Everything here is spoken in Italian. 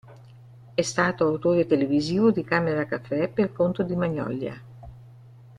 È stato autore televisivo di "Camera Café" per conto di Magnolia.